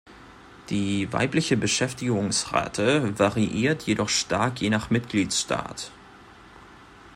Die weibliche Beschäftigungsrate variiert jedoch stark je nach Mitgliedstaat.